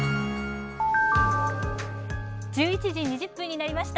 １１時２０分になりました。